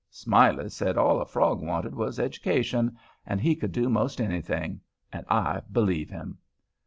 Smiley said all a frog wanted was education, and he could do 'most anything—and I believe him.